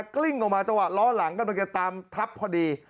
กลิ้งออกมาจังหวะล้อหลังกำลังจะตามทับพอดี